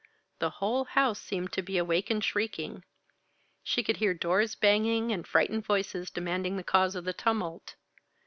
The whole house seemed to be awake and shrieking. She could hear doors banging and frightened voices demanding the cause of the tumult.